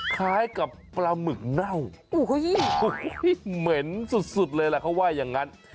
คล้ายกับปลาหมึกเน่าเหม็นสุดเลยแหละเขาว่าอย่างนั้น